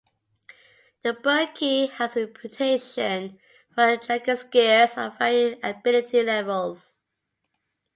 The Birkie has a reputation for attracting skiers of varying ability levels.